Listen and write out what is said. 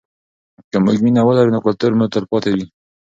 که موږ مینه ولرو نو کلتور مو تلپاتې وي.